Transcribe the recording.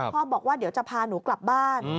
บอกว่าเดี๋ยวจะพาหนูกลับบ้าน